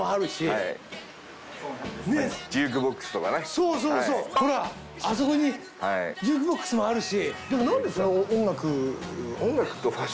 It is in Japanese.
そうそうそうほらあそこにジュークボックスもあるし。